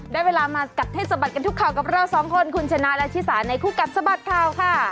ได้เวลามากัดให้สะบัดกันทุกข่าวกับเราสองคนคุณชนะและชิสาในคู่กัดสะบัดข่าวค่ะ